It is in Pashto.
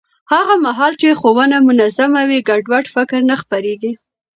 هغه مهال چې ښوونه منظم وي، ګډوډ فکر نه خپرېږي.